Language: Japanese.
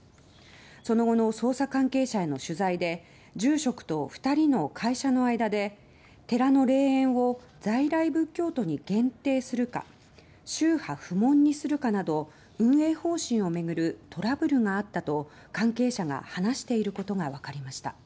その後の捜査関係者への取材で住職と２人の会社の間で寺の霊園を在来仏教徒に限定するか宗派不問にするかなど運営方針を巡るトラブルがあったと関係者が話していることが分かりました。